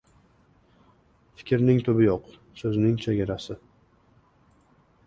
• Fikrning tubi yo‘q, so‘zning — chegarasi.